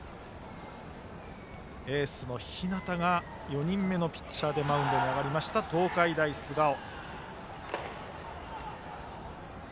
エースの日當が４人目のピッチャーとしてマウンドに上がった東海大菅生。